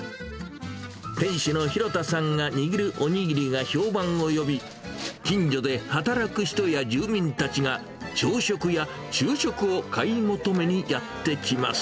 店主の廣田さんが握るおにぎりが評判を呼び、近所で働く人や住民たちが、朝食や昼食を買い求めにやって来ます。